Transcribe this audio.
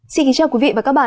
xin kính chào quý vị và các bạn